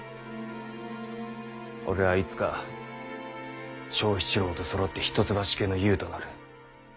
俺はいつか長七郎とそろって一橋家の雄となる。